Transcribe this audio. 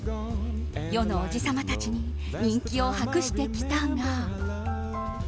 世のおじ様達に人気を博してきたが。